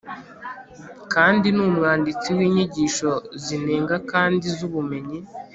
kandi ni umwanditsi w'inyigisho zinenga kandi zubumenyi